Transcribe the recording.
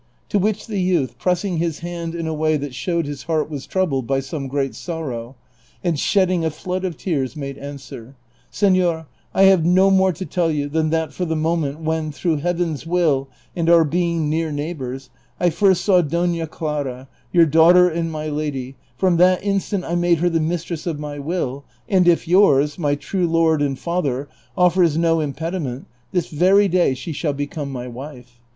To which the youth, pressing his hand in a Avay that showed his heart was troubled by some great sorrow, and shedding a flood of tears, made answer :" 8eiior, I have no more to tell you than that for the moment when, through Heaven's will and our being near neighbors, I first saw Dona Clara, your daughter and my lady, from that instant I made her the mistress of my will, and if yours, my true lord and father, offers no imi)edi ment, this very day she shall become my wife.